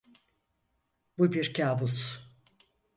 Bu bir kâbus.